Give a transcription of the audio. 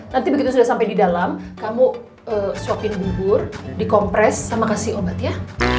nanti begitu sudah sampai di dalam kamu swapin bubur dikompres sama kasih obat ya